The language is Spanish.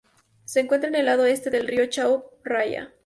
Se encuentra en el lado este del río Chao Phraya.